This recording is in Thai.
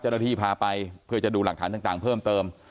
เจ้าหน้าที่พาไปเพื่อจะดูหลักฐานต่างเพิ่มเติม